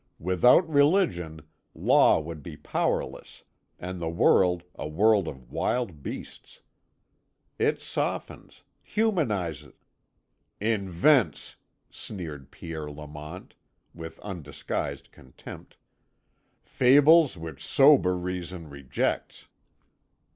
Without Religion, Law would be powerless, and the world a world of wild beasts. It softens, humanizes " "Invents," sneered Pierre Lamont, with undisguised contempt, "fables which sober reason rejects."